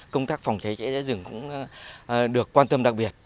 công tác phòng cháy rừng cũng được quan tâm đặc biệt